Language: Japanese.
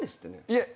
いえ